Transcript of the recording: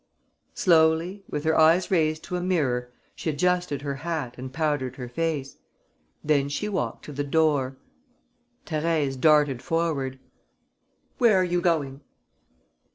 Slowly, with her eyes raised to a mirror, she adjusted her hat and powdered her face. Then she walked to the door. Thérèse darted forward: "Where are you going?"